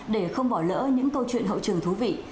để không bỏ lỡ những câu chuyện hậu trường thú vị